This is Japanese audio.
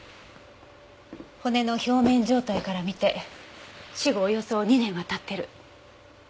骨の表面状態からみて死後およそ２年は経ってる。